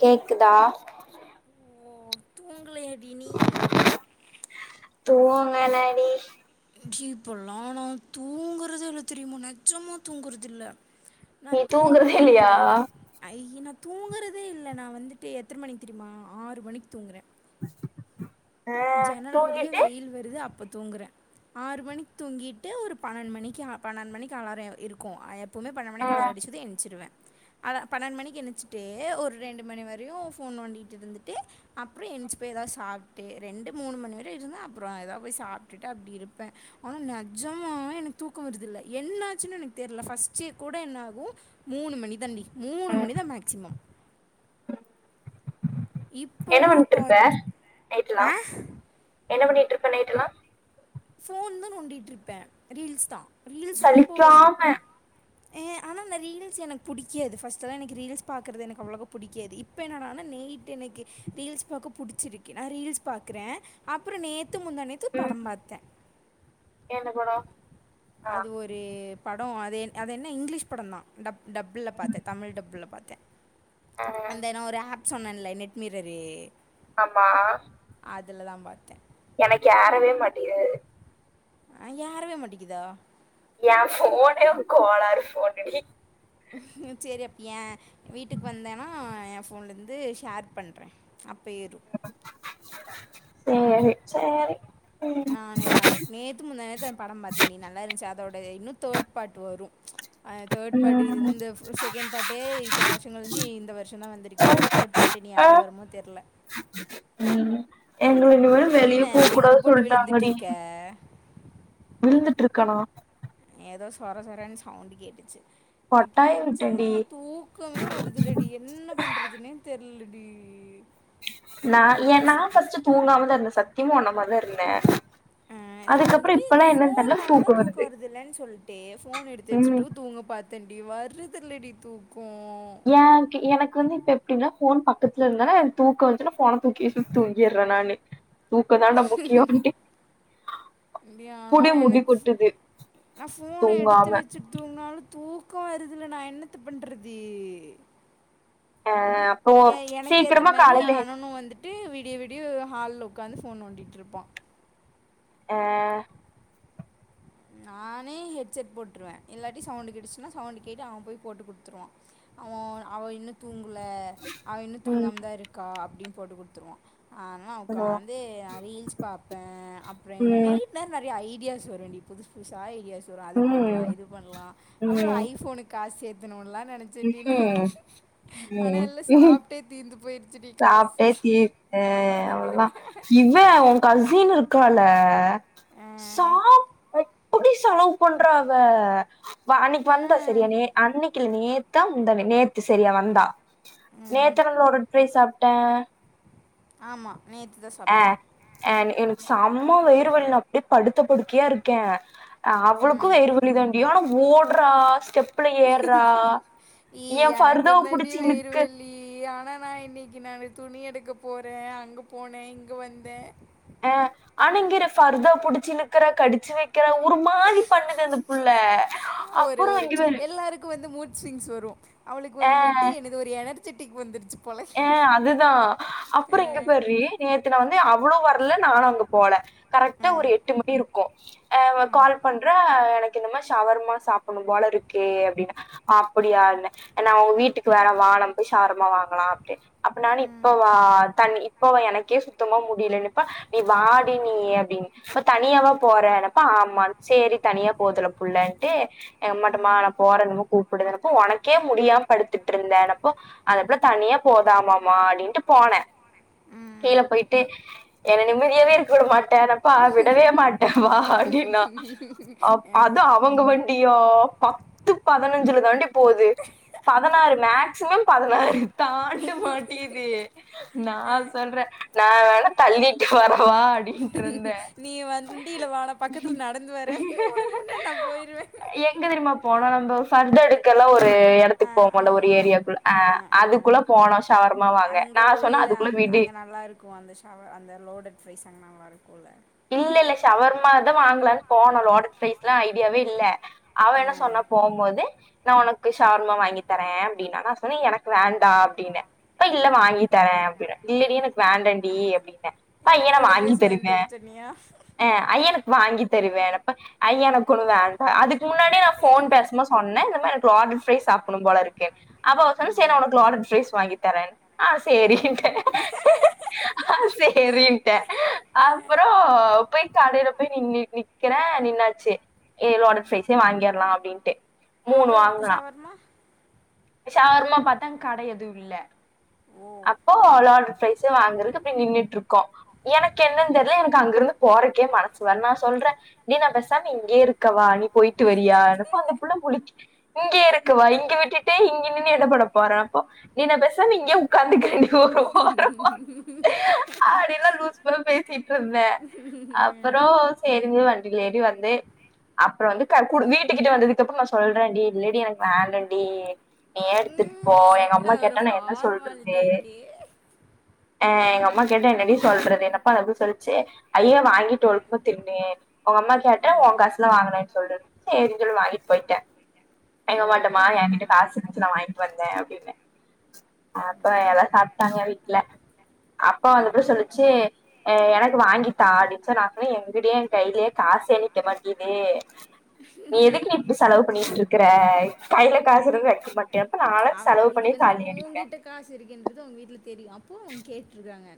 கேக்குதா ஓ தூங்கலயாடி நீ தூங்கலடி இங்கியு போல்லா ஆனா தூங்குறது என்ன தெரியுமா நெச்சமா தூங்குறதில்ல நான நீ தூங்குறதே தூங்குலான்னு இல்லையா போவே னைன் ஓ தூங்குறதே இல்ல நா வந்துட்டு எத்தனை மணிக்கு தெரியுமா ஆறு மணிக்கு தூங்குறே அ ஜனல் வழியே வெயில் வருது அப்பத் தூங்குகுறே ஆறு மணிக்கு தூங்கிட்டு ஒரு பன்னெண்டு மணிக்கு பன்னெண்டு மணிக்கு அலாரம் இருக்கு அ எப் எப்பமே பண்ணண்டு மணிக்கு ம் அலாரம் அடிச்சது எஞ்சிடுவே அத பன்னெண்டு மணிக்கு நினைச்சுட்டு ஒரு ரெண்டு மணி வரையு போன் நோண்டிட்ருந்துட்டு அப்டியே ஏஞ்சு போய் எதா சாப்ட்டு ரெண்டு மூணு மணி வரை இருந்த அப்பற ஏதாவ போய் சாப்ட்டுட்டு அப்டி இருப்பே ஆனா நெஜமாவே எனக்கு தூக்க வருதுல என்னாச்சுன்னு எனக்கு தெரில பஸ்டடே கூட என்னாகு மூணு மணி தண்டி மூணு ம் மணிதா மேக்சிமம் என்ன பண்ணிட்ருக்க பார்த்து நைட்டுலா ஆ என்ன பண்ணிட் ட்ரு பண்ணிட்டனா போன் நோண்டிட்ருப்பே ரீல்ஸ் தா சலிக்காம ஏ ஆனா அந்த ரீல்ஸ் எனக்கு புடிக்காது பஸ்ட்டுலா எனக்கு ரீல்ஸ் பாக்குறது அவ்ளோவா எனக்கு புடிக்காது இப்ப என்னடானா நைட் எனக்கு ரீல்ஸ் பாக்க புடிச்சிருக்கு நா ரீல்ஸ் பாக்குறே அப்புற நேத்து முந்தானேத்து பட ம் பாத்தே என்ன படோ ஆ அது ஒரு படொ அது எ அது என்ன இங்கிலீஷ் படந்தா டப் டப்புல பாத்தே தமிழ் டப்புல பாத்தே ஆ அந்தன ஒரு ஆப் சொன்னேன்ல நெட் மீரரி ஆமா அதுலதா பாத்தே எனக்கு ஆறவே மாட்டீது அ யாரவே மாட்டிக்குதா ஏ போன கோளாரு போனடி சேரி அப்ப ஏ வீட்டுக்கு வந்தேன்னா எ போன்ல இருந்து ஷேர் பண்றே அப்பேரு சரி சரி நானு நேத்து முந்தாநேத்து பட பாத்தேண்டி நல்லாருந்துச்சா அதோட இன்னு தேர்ட் பார்ட் வரு அ தேர்ட் பாட்டு ம் இந்த செகண்ட் பார்டே இத்தனை வருஷ கழிஞ்சு இந்த வருஷந்தா வந்திருக்கு தேர்ட் பார்ட் இப்ப நீ ஆ அப்ப வருமோ தெரல ம் எங்க இனிம என்ன வெளியே போ எங்கே கூடாது போட்டு விழுந்துட்டு சொல்ட்டாங்கடி இருக்க விழுந்துட்ருக்கானா ஏதோ சொர சொரன்னு சவுண்டு கேட்டுச்சு எனக்கு கொட்டாய் நெஜ்ஜமா விட்டேன்டி தூக்கமே வருதுலடி என்ன பண்றதுனே தெரில ம் ம் நா ஏ நா ஃபர்ஸ்ட்டு தூங்காமதா இருந்தே சத்தியமா உன்னமாரிதா இருந்தே ம் நா அதுக்கப்புறோ வந்துட்டு இந்த இப்பல்லா என்னன்னு தெர்ல ஃபோனாலதா தூக்கோ தூக்க வருது வரதுல்லன்னு சொல்லிட்டு ஃபோன் எடுத்து வச்சுட்டு ம் தூங்க பாத்தேன் அடி வர்ருதுல்லடி தூக் ஏ எனக்கு வந்து இப்ப அப்டின்னா போன் பக்கத்துல இருந்தான தூக்க வஞ்சுனா போன தூக்கி வச்சுட்டு தூங்கிடுற நானு தூக்க தாண்ட முக்கியோ ண்ட்டி இப்டி ஆனா எனக் நா போன எடுத்து தூங்காம வச்சுட்டு தூங்குனாலு தூக் பக்க வருதுல நா என்னத்த பண்றது ஆ அப்போ ஏ எனக்கு ஏத்த சீக்கிரமா மாரி காலையில எங்க அண்ணனு வந்துட்டு வீடிய வீடிய ஹால் உக்காந்து போன் நோண்டிட்டு இருப்பான் ஆஹ நானே ஹெட்செட் போட்டுருவேன் இல்லாட்டி சவுண்ட் கேட்டுச்சுன்னா சவுண்ட் கேட்டு அவன் போய் போட்டு கொடுத்துருவான் அவன் அவள் இன்னும் தூங்கல அவன் இன்னும் ம் தூங்காம தான் இருக்கா அப்படின்னு போட்டு குடுத்துருவா ஆனா ம் உக்காந்து அஹ் ரீல்ஸ் பார்ப்பேன் அப்புறம் என்ன நைட் நேரோ நிறைய ஐட் டியாஸ் வரும்ண்டி புதுஸ் புதுசா ஐடியாஸ் வரும் அது பண்ணலாம் ம் இது பண்ணலாம் அப்புறம் ம் ஐபோனுக்கு காஸ் சேத் தனோன்னல்லா நினைச்சேட்டி நானு ம் ஆனா எல்லாம் சாப்பிட்டே தீர்ந்து போயிரு சாப்பிட்டே தீத்தேன் அவ்ளதா இவன் உன் கசினு க்கால ஆ, சாப் அப்படி செலவு பண்றாவ அன்னைக்கு வந்தா சரியா ஏன் நே அன்னைக்குல நேத்தா முந்தானி நேத்து சரியா வந்தா நேத்திரம்ல ஒரு‌ பய் சாப்பிட்டேன் ஆமா ஆஹ் அஹ் எனக்கு செம வெயிறு வலி நா அப்படியே படுத்த படுக்கியா இருக்கேன் அவளுக்கும் ம் வெயிறுவலி தாண்டி ஆனா ஓட்றா என் ஃபர்தாவை இஎனக்குந்தாண்டி பிடிச்சி இழுக்கு வெயிறுவெலி ஆனா நா இன்னைக்கி நானு துணி எடுக்க போற அங்கே போன இங்கே வந்த ஆஹ் ஆனா இங்க ஃபர்தா புடிச்சி இலுக்குற கடிச்சு வெக் குற ஒரு மாதிரி பண்ணுது அந்த புள்ள ஆ, ஒரு அப்பறோ ஒரு இங்க பாரு எல்லாருக்கும் வந்து மூட் ஸ்விங்ஸ் வரும் அவளுக்கு வந்து மொட்டி எனக்கு ஒரு எனர்ஜெட்டிக் வந்துருச்சு போல ஆஹ் அதுதா அப்றோ இங்க அஹ், பார்ரி நேத்து நா வந்து அவ்ளோ வொர்க் குல்ல நானு அங்க போல கரெக்டா அஹ், ஒரு எட்டு மணி இருக்கு ஆஹ் கால் பண்ற எனக்கு என்னமோ சவர்மா சாப்படணு போல இருக்கு அப்படின்னா அப்படியான்ன நா உ வீட்டுக்கு வரவா நம்ப போய் சவர்மா வாங்கலா டு அப்ப நானு அஹ், இப்பவா தனி இப்பவ எனக்கே சுத்தமா முடியலன்னுப்பா நீ வாடி நீ அப்படின்னு தனியாவா போறனப்பா ஆமா செரி தனியா போதுல புள்ளன்ட்டு ஹம் மட்டுமா நா போறன்னமோ கூப்புடுது போ உனக்கே முடியா படுத்துட்டு இருந்தேனப்போ அந்த புள்ள தனியாப் போதாமாமா அப்படின்ட்டு போன அஹ், கீழ போய்ட்டு என நிம்மதியாவே இருக்க விட மாட்ட டேனப்பா விடவே மாட்ட வா அப்படின்னா அப் அது அஹ். அவங்க வண்டியோ பத்து பதினஞ்சுல தான்ட் போது பதனாறு மேக்சிமம் பதனாறு தாண்ட் ட மாட்டிது நா சொல்ற நா வேணா தள்ளிட்டு வர வா அப்படின்ட்டு இருந்த நீ வண்டியில வான பக்கத்துல நடந்து வர உனக்கு முன்னாடி நான் போயிருவேன் எங்க தெரும்மா போனு நம்ம ஃபர்தர் எடு அதுகெல்லா ஒரு ஆ இடத்துக்கு போவோல ஒரு ஆமா ஏரியாக்குள்ள ஆ அஹ் ஆ அதுக்குள்ள போனோ சவர்மா அங்க உள்ள அந்த அங்க நல்லா இருக்கு அந்த ஷவர் அந்த லோடட் ரைஸ் அங்க நல்லா இருக்குல்ல இல்ல இல்ல ஷவர்மா தா வாங்கலான்னு போனோ லோடட் பைஸ்லா ஐடியாவே இல்ல அவ ஆ என்ன சொன்னா போம்போது நா உனக்கு ஷவர்மா வாங்கி தர அப்படின்னா நா சொன்ன எனக்கு வேண்டா அப்படின்ன இல்ல வாங்கி தர அப்படினா இல்லடி எனக்கு வேண்டண்டி அப்படின்னு அய்யன எனக்கு லோடட் வாங்கி ஃப்ரைஸ் தருவ தர சொன்னியா ஆஹ் அயனுக்கு வாங்கி தருவேனப்ப ஐயோ எனக்கு வேண்ட அதுக் முன்னாடி நா போன் பேசமோ சொன்ன இந்த மாரி லோடட் ப்ரைஸ் சாப் டனும்போல இருக்கு அப்ப அவ சொன்னா செரி உனக்கு லோடட் ப்ரைஸ் வாங்கி தரன் ஆஹ் சேரின்டே சேரின்டே ஆ அஹ் போய் கடையில போய் நிக்கிற நின்னாச்சு எ லோடட் சைஸே வாங்கிரலா அப்படின்ட்டு மூணு அவ அப்ப வாங்கனா ஷவர்மா ஷவர்மா பாத்தா கடை எது இல்ல ஓ அப்போ லோடட் ப்ரைஸ் வாங்குறக்கு அப்பயே நின்ட்டு இருக்கோ எனக்கு என்னன்னு தெர்ல எனக்கு அங்க இருந்து போ போரக்கே மனசுவருல நா சொல்ற நா பெசாம இங்கே இருக்கவா நீ போயிட்டு வறியானப்போ அந்த புள்ள முழிக்குது இங்க இருக்குவா இங்க விட்டுட்டு இங்க நின்னு என்ன பண்ண போற அப்போ ஏ நா பேசாம இங்யே ஒக்காந்துக்கு அப்டில்ல லூஸ் மாரி பேசிட்டுருந்த அப்றோ சேரிங்க வண்டில ஏறி வந்தே அப்றோ வந்து கர்கூர் வீட்டுக்கிட்ட வந்ததுக்கப்றோ நா சொல்றடி இல்லடி எனக் வேண்டாடி நீயே எடுத்துட் போ எங்க அம்மா கேட்டா நா என்ன சொல்றத் டிகே அ எங்கம்மா கேட்ட என்னடி சொல்றது என்னப்பா எப்டி சொல்சி‌ ஐயோ வாங்கிட்டு ஒழுங்கா தின்னே உங்க அம்மா கேட்ட ம் உங்காசுல வாங்கனன்னு சொல்லு சேரினு சொல்ட்டு வாங்கிட்டு போயிட்ட எங்க ஓ அம்மாட்ட உங்க மா அம்மா எங்கிட்ட கேட்டாங்களா காசு இருந்துச்சி நா வாங்கிட்டு வந்த அப்டின்ன சாப்டாங்க வீட்ல அப்பா வந்தப்றோ ஓ சொல்லிச்சி அ எனக்கு வாங்கி தா அப்டின்ச்சா நா சொன்ன எங்கிட்யே எங்கைலியே கா காசே நிக்க மாட்டிது நீ எதுக்கு இப்டி செலவு பண்ணிட்டுருக்குற கையில காசுருக்கு வைக்க மாட்டியா அப்ப நாள செலவு பண்ணி தா நீ ஊங்கிட்ட காசு இருக்கின்றது அவுங்க வீட்ல தெரியு அப்போ அவுங்க கேட்ருக்காங்க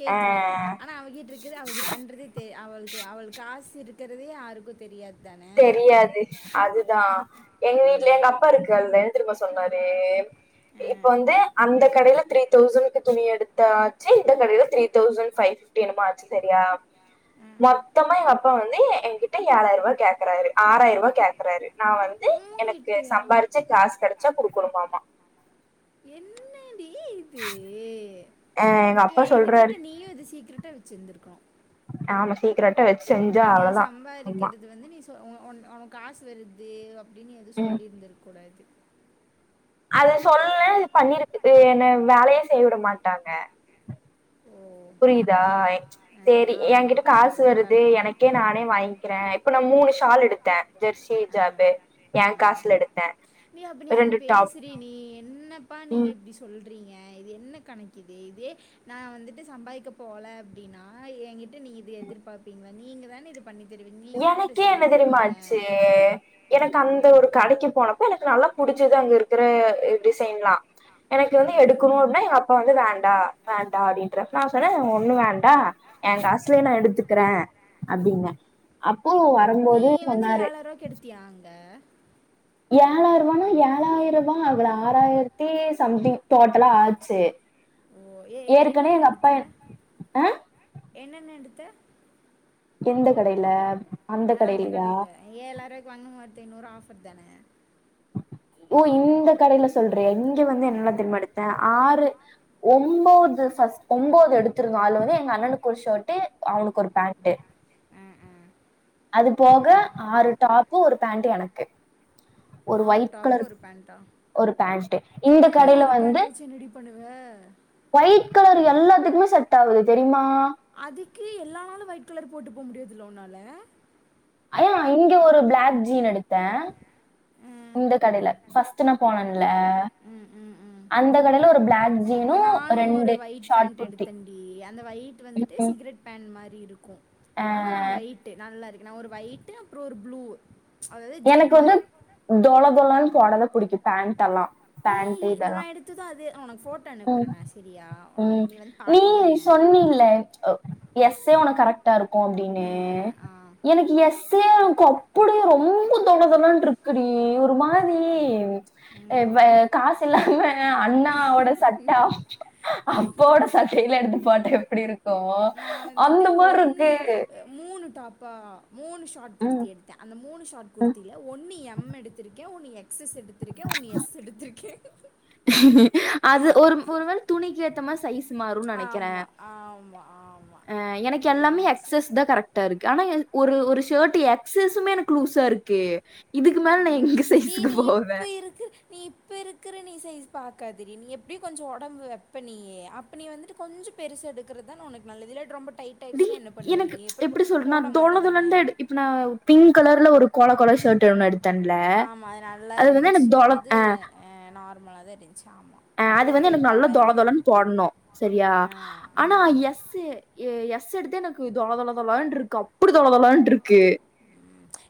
கேக்குறாங்க ஆ ஆனா அவகிட்ருக்குது அவது பண்றது தே அவளுக்கு அவள் காசு இருக்கறதே யாருக்கு தெரியாது தானே தெரியாது அதுதா எங்க வீட்ல ம் எங்க அப்பாருக்கு அதுல என்ன தெரிமா சொன்னாரு இப்ப வந்து ஆ அந்த கடைல த்ரீ தௌசண்கு துணி எடுத்தாச்சி இந்த கடைல த்ரீ தௌசண் ஃபவ் என்னமோ ஆச்சி செரியா மொத்தமா எங்க அப்பா வந்து எங்கிட்ட ஏழாயி ரூபா கேக் றாரு ஆறாயரூவா கேக்றாரு நா வந்து எனக்கு உங்ககிட்டயா சம்பாரிச்ச காசு கெடச்சா குடுக்கணுமாமா என்னடி இது ஆ இப்ப எங்க அப்பா என்ன கேட்டா சொல்றாரு நீயு இது சீக்ரெட் டா வெச்சிருந்திருக்கணு ஆமா சீக்கிரட்டா வெச் நீ சம்பாரிக்கிறது வந்து நீ சொ ஒன் ஒனக்கு காசு வருது அப்டின்னு எது சொல்லியிருந்திருக்கூடாது அத சொல்லல இது பண்ணிருக்குது என்ன வேலயே செய்வுடமாட்டாங்க ஓ புரியிதா ஆ சேரி ஆமா எங்கிட்ட காசு அதுவு வருது கரெக்ட்டு தா எனக்கே நானே வாய்ங்கிற இப்ப நா மூணு ஷால் எடுத்த ஜெர்சி ஆ ஜாபு ஏ காசுல எடுத்த எ அப்ப நீ அது பேசுறி நீ பா நீங்க ம் இப்டி சொல் றிங்க இது என்ன கணக்கிது இதே நா வந்துட்டு சம்பாரிக்க போல அப்டின்னா ஏங்கிட்ட நீங்க இது எதிர்பார்ப்பீங்ளா நீங்க தான இது பண்ணி தருவீங்க நீங்க தானே எனக்கே ட்ரெஸ் என்ன எடுத்து தெரியுமா தருவீங்க ஆச்சு எனக்கு அந்த ஒரு கடைக்கு போனப்ப எனக்கு நல்லா புடிச் சது அங்க இருக்கற டிசைன்லா எனக்கு வந்து எடுக்கணு அப்ட்னா எங்க அப்பா வந்து வேண் டா வேண்டா அப்டின்ற நா சொன்ன ஒண்ணு வேண்டா ஏ காசுலயே நா எடுத்துக்கற அப்டின்ன அப்போ நீ வரம்போது வந்து சொன்னாரு ஏழாயிரூவாக்கு எடுத்தியா அங்க ஏழாய்ருபானா ஏழாய்ருபா ஆகல ஆறாயிரத்தி சம்திங் டோட்டலா ஆச்சி ஓ ஏ ஏ ஏற்கனே என்னென்ன எங்க அப்பா எடுத்த என் அ து எந்த கடைல அந்த கடைல ஏலாய்ருவாய்க்கு வாங்கணு ஒர்த்தே இன்னொரு ஆஃபர் தான ஒ இந்த கடைல சொல்றியா இங்க வந்து என்னல்லா தெரிமா எடுத்த ஆறு ஒம்போது து சஸ்பென்டு அது எடுத்துருந்நதோ அதுல வந்து எங்க அண்ணனுக்கு ஒரு ஷர்ட்டு அவுனுக்கு ஒரு பேண்ட்டு ஆ ஆ அது போக ஆறு டாப்பு ஒரு பேண்ட்டு எனக்கு ஒரு ஒயிட் கு கலர் ஒரு பேண்டா ஒரு பேண்ட் இந்த ஒரே கடையில ஒரு வந்து பேண்ட்டு வச்சி என்னடி பண்ணுவ ஒயிட் கலர் எல்லாத்துக்குமே செட் ஆகுது தெரியுமா அதுக்கு எல்லா நாலு ஒயிட் கலர் போட்டு போ முடியாதுல உன்னால ஐயா இங்க ஒரு பிளாக் ஜீன் எடுத்தே ம் இந்த கடைல ஃபர்ஸ்ட் நா போனன் ம் ம் ம் கடையில ஒரு பிளாக் ஜீனும் நானு ஒரு ரெண்டு ஒயிட் ஷார்ட் பேண்டட் குர்த்தி எடுத்தேன்டி அந்த ஒயிட் வந்துட்டு சி ம். கரட் பேண்ட் மாரி இருக்கு ஆனா அஹ் ஒயிட் நல்லாரு நா ஒரு ஒயிட்டு அப்புறோ ஒரு ப்ளூ அதாவது ஜீன் எனக்கு வந்து மாதிரி தொள தொளனு போடதா புடிக்கு பேண்ட் எல்லா நீ நா எடுத்துதா அது உனக்கு போட்டோ ம். அனுப்புறேனா செரியா வா நீ வந்து பாக்கலதான சொன்னீல அ எஸ்ஸே உனக்கு கரெக்டா இருக்கு அப்டின்னு ஆ ஆ ஆ எனக்கு எஸ்ஸே அப்படியே ரொம்ப தொள தொளன் இருக்குடி ஒரு மாரி அ ம் வ காசு இல்லாம அண்ணாவோட சட்டா அப்போட சட் டையில எடுத்து போட்டு நா வந்துட்டு ஒன்னு இருக்கு அ மூணு டாப்பா மூணு ஷார்ட் ம். குர்த்தி எடுத்தே அந்த மூணு ஷார்ட் குர்த்தில ஒன்னு எம் எடுத்திருக்கே ஒன்னு எக்ஸ்எஸ் எடுத்திருக்கே ஒன்னு எஸ் எடுத்திருக்கே அது ஒரு ஒரு வேல துணிக்கு ஏத்தமாரி சைஸ் மாறு நினைக்கிறே ஆமாம் ஆமாம் ஆமாம் ஆ எனக்கு எல்லாமே தெரிஞ்சு எக்சஸ் தா கரெக்டா இருக்கு ஆனா என ஒரு ஒரு ஷர்ட் எக்ஸஸுமே எனக்கு லூஸா இருக்கு இதுக்கு மேல நா உம் எங்க டி சைஸ்க்கு நீ போவே இப்ப இருக்குற நீ இப்ப இருக் கற நீ சைஸ் பாக்காத டி நீ எப்பயு கொஞ்ச உடம்பு வப்ப நீ அப்ப நீ வந்துட்டு கொஞ்ச பெருசு எடுக்கறது இதான் உனக்கு நல்லது இல்ட் ரொம்ப டைட் டி ஆயிடுச்சுன்னா என்ன பண்ணுவே நீ எனக்கு ச் அப்புறம் போ- எப்படி சொல்றதுனா நா போட தோல மாட்டே தானே தோலந்த இப்ப நா பிங்க் கலர்ல ஒரு கொழ கொழ ஷ்ட் ஒன்னு எடு ஆமா அது நல்லா இருந்துச்சு தொல அது அ நார்மலா தா இருந் அ அது வந்து எனக்கு நல்ல தொல தொலன்னு போடணு சரியா அ ஆனா ம் எஸ் எ எக்ஸ் எடுத்து எனக்கு தொல தொல தொல்லன் இருக்கு அப்படி தொலதொலலன்ருக்கு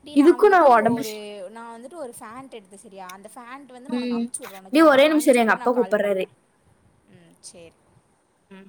ஏடி நா வந்துட்டு ஒரு நா வந்துட்டு ஒரு ஃப்ன்ட் எடுத்த சரியா அந்த ஃபேண்ட் வந்து நான் உனக்கு உம் அனுப்ச்சு விட்றேன் நீ உனக்கு ஒரே நிமிஷம் இரு எங்க அப்பா கூப்பறாரு உம் சேர் ம்.